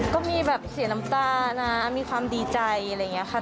ก็มีแบบเสียน้ำตานะมีความดีใจอะไรอย่างนี้ค่ะ